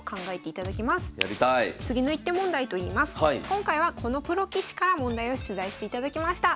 今回はこのプロ棋士から問題を出題していただきました。